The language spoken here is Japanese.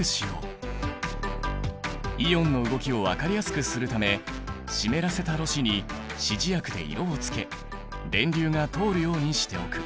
イオンの動きを分かりやすくするため湿らせたろ紙に指示薬で色をつけ電流が通るようにしておく。